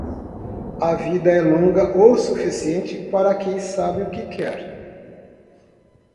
A vida é longa o suficiente para quem sabe o que quer